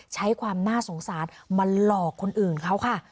ใช้ความน่าสงสารมาหลอกคนอื่นเขาค่ะ